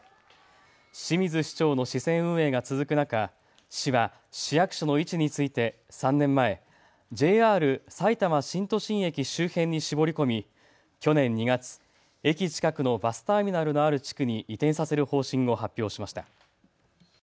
清水市長の市政運営が続く中、市は市役所の位置について３年前、ＪＲさいたま新都心駅周辺に絞り込み、去年２月、駅近くのバスターミナルのある地区に移転させる方針を発表しました。